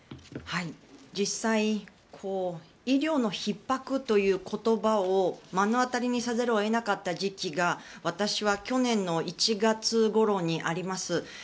実際医療のひっ迫という言葉を目の当たりにせざるを得なかった時期が私は去年の１月ごろにあります。